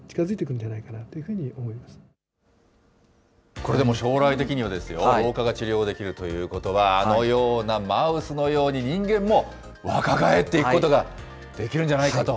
これでも将来的にはですよ、老化が治療できるということは、あのようなマウスのように、人間も若返っていくことができるんじゃないかと。